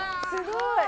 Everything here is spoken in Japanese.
すごい！